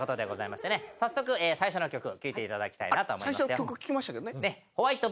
早速最初の曲を聴いていただきたいと思います。